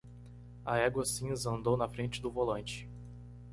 A égua cinza andou na frente do volante.